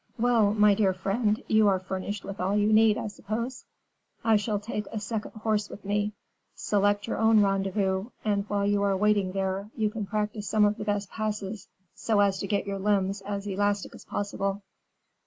"Well, my dear friend, you are furnished with all you need, I suppose?" "I shall take a second horse with me. Select your own rendezvous, and while you are waiting there, you can practice some of the best passes, so as to get your limbs as elastic as possible."